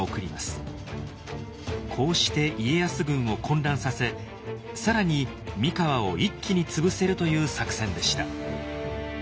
こうして家康軍を混乱させ更に三河を一気に潰せるという作戦でした。